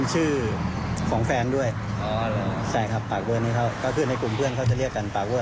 ชื่อของแฟนด้วยใช่ครับปากเบอร์นี้เขาก็คือในกลุ่มเพื่อนเขาจะเรียกกันปากเวอร์